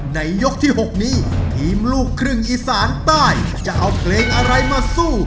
ยกที่๖นี้ทีมลูกครึ่งอีสานใต้จะเอาเพลงอะไรมาสู้